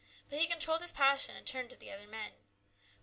But he controlled his passion and turned to the other men.